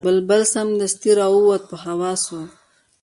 بلبل سمدستي را ووت په هوا سو